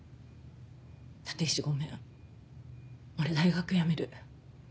「立石ごめん俺大学やめる。